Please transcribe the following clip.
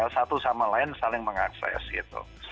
satu sama lain saling mengakses gitu